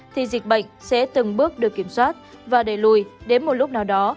thì dịch bệnh sẽ từng bước được kiểm soát và đẩy lùi đến một lúc nào đó